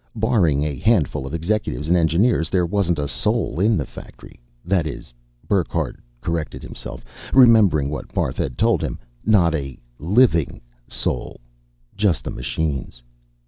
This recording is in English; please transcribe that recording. Barring a handful of executives and engineers, there wasn't a soul in the factory that is, Burckhardt corrected himself, remembering what Barth had told him, not a living soul just the machines.